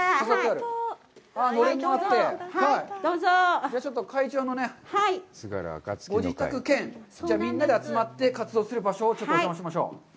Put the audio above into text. じゃあ、会長のご自宅兼、みんなで集まって活動する場所をちょっとお邪魔しましょう。